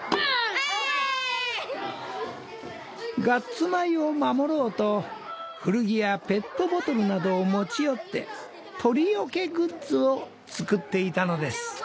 ガッツ米を守ろうと古着やペットボトルなどを持ち寄って鳥よけグッズを作っていたのです。